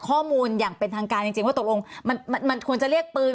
ข้อมูลอย่างเป็นทางการจริงว่าตกลงมันมันควรจะเรียกปืน